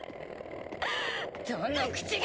どの口が！